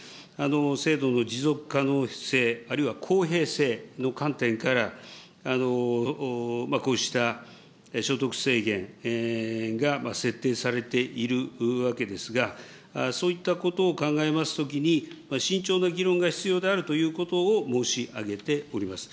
制度の持続可能性、あるいは公平性の観点から、こうした所得制限が設定されているわけですが、そういったことを考えますときに、慎重な議論が必要であるということを申し上げております。